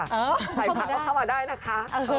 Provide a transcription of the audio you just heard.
ก็ให้เขาเข้ามาได้นะคะ